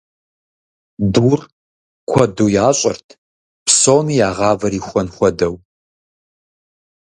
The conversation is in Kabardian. Дур куэду ящӏырт, псоми я гъавэр ихуэн хуэдэу.